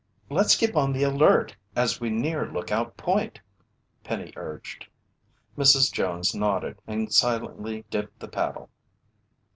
"Let's keep on the alert as we near Lookout Point," Penny urged. Mrs. Jones nodded and silently dipped the paddle.